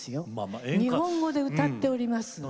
日本語で歌っております。